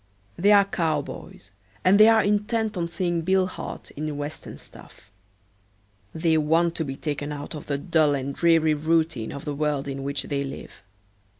They are cowboys and they are intent on seeing Bill Hart in Western stuff. They want to be taken out of the dull and dreary routine of the world in which they live.